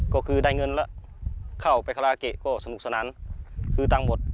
ก็คือได้เงินแล้วเข้าไปคาราเกะก็สนุกสนานคือตังค์หมด